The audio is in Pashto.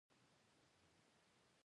د رسنیو له لارې د خلکو غږ اورېدل کېږي.